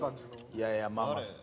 いやいやまあまあ。